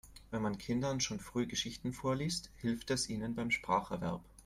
Wenn man Kindern schon früh Geschichten vorliest, hilft es ihnen beim Spracherwerb.